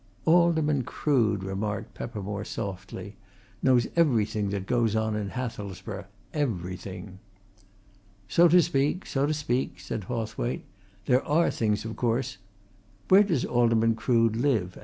"Alderman Crood," remarked Peppermore softly, "knows everything that goes on in Hathelsborough everything!" "So to speak; so to speak!" said Hawthwaite. "There are things of course " "Where does Alderman Crood live?"